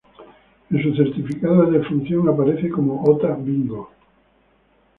En su certificado de defunción aparece como Ota Bingo.